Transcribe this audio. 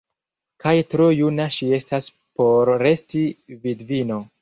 Kaj tro juna ŝi estas por resti vidvino!